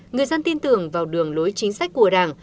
người dân tin tưởng vào đường lối chính sách của đảng